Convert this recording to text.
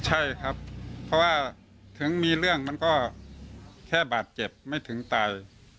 ใช่ครับเพราะว่าถึงมีเรื่องมันก็แค่บาดเจ็บไม่ถึงตาย